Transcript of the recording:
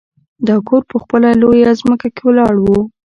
دا کور په خپله لویه ځمکه کې ولاړ و